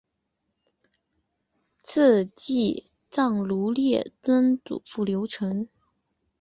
赐祭葬如例曾祖父刘澄。